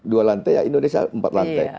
empat lantai indonesia empat lantai